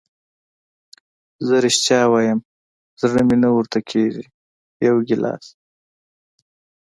زه رښتیا وایم زړه مې نه ورته کېږي، یو ګیلاس.